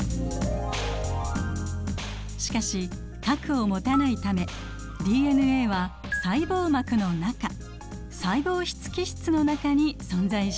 しかし核を持たないためＤＮＡは細胞膜の中細胞質基質の中に存在しています。